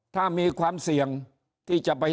ถ้าท่านผู้ชมติดตามข่าวสาร